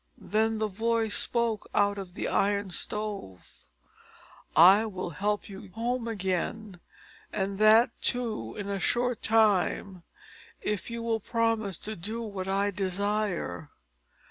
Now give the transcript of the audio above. Then the voice spoke out of the Iron Stove: "I will help you home again, and that, too, in a short time, if you will promise to do what I desire.